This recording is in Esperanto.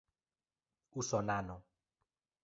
usonano